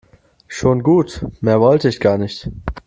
Schon gut, mehr wollte ich gar nicht.